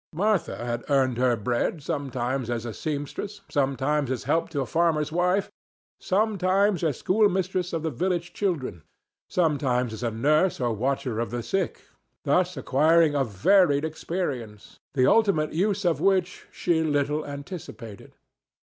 Martha had earned her bread sometimes as a sempstress, sometimes as help to a farmer's wife, sometimes as schoolmistress of the village children, sometimes as a nurse or watcher of the sick, thus acquiring a varied experience the ultimate use of which she little anticipated.